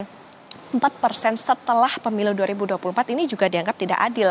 nah setelah pemilu dua ribu dua puluh empat ini juga dianggap tidak adil